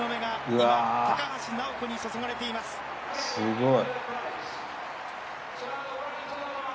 わすごい。